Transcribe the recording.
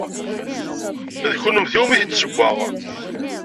D kennemti umi t-id-ssewweɣ.